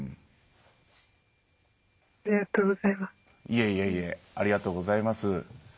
いえいえいえありがとうございます。